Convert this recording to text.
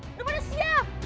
udah pada siap